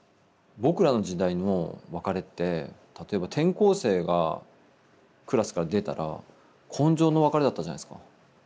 僕らの時代の別れって例えば転校生がクラスから出たら今生の別れだったじゃないっすか。